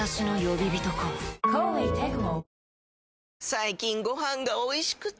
最近ご飯がおいしくて！